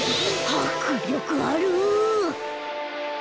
はくりょくある！